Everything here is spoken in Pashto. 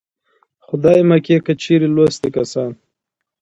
خدايه مکې که چېرې لوستي کسان